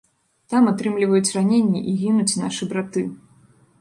Там атрымліваюць раненні і гінуць нашы браты.